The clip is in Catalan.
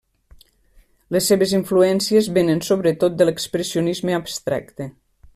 Les seves influències vénen, sobretot, de l'expressionisme abstracte.